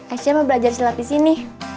aisyah mau belajar silat disini